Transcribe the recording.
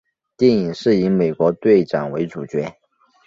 电影是以美国队长为主角。